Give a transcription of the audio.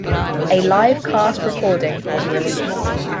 A live cast recording was released.